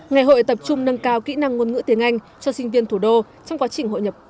ngày hội tập trung nâng cao kỹ năng ngôn ngữ tiếng anh cho sinh viên thủ đô trong quá trình hội nhập